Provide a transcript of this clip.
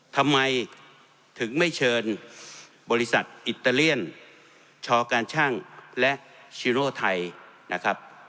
ทำไมถึงไม่เชิญบริษัทอิตาเลียนชการชั่งและชิโรไทยนะครับ